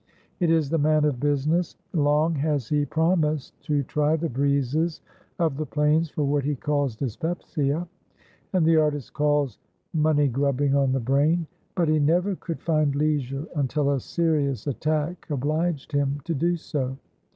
It is the man of business. Long has he promised to try the breezes of the plains for what he calls dyspepsia, and the artist calls "money grubbing on the brain," but he never could find leisure, until a serious attack obliged him to do so.